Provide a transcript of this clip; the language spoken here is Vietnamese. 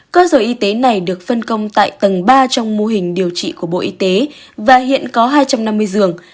cơ sở y tế này được phân công tại tầng ba trong mô hình điều trị của bộ y tế và hiện có hai trăm năm mươi giường